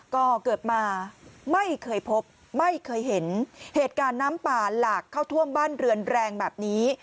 ก็เกิดมาไม่เคยพบไม่เคยเห็นเหตุการณ์น้ำป่าหลากเข้าท่วมบ้านเรือนแรงแบบนี้